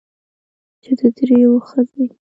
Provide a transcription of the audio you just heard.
چې د درېو ښځې